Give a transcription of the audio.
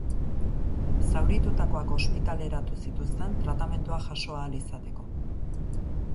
Zauritutakoak ospitaleratu zituzten tratamenduak jaso ahal izateko.